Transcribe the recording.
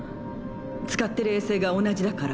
使ってる衛星が同じだから。